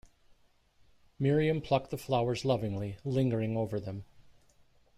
Miriam plucked the flowers lovingly, lingering over them.